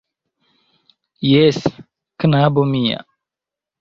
Jes, knabo mia.